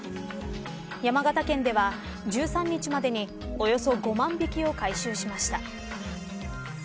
山形県では１３日までにおよそ５万匹を回収しました。